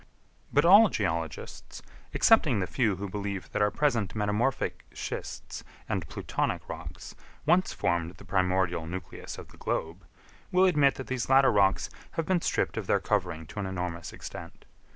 But all geologists, excepting the few who believe that our present metamorphic schists and plutonic rocks once formed the primordial nucleus of the globe, will admit that these latter rocks have been stripped of their covering to an enormous extent.